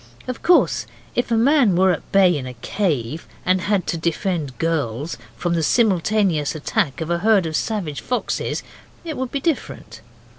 Of course, if a man were at bay in a cave, and had to defend girls from the simultaneous attack of a herd of savage foxes it would be different.